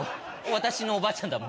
私のおばあちゃんだもん。